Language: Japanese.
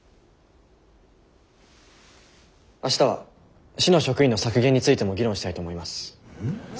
明日は市の職員の削減についても議論したいと思います。